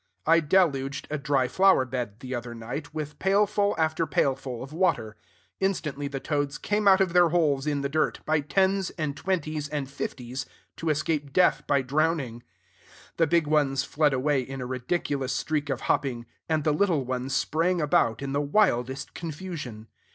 I deluged a dry flower bed, the other night, with pailful after pailful of water. Instantly the toads came out of their holes in the dirt, by tens and twenties and fifties, to escape death by drowning. The big ones fled away in a ridiculous streak of hopping; and the little ones sprang about in the wildest confusion.